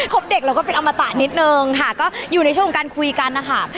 เด็กแล้วก็เป็นอมตะนิดนึงค่ะก็อยู่ในช่วงของการคุยกันนะคะ